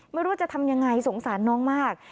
ไม่รู้ว่าจะทำอย่างไรสงสารน้องมาก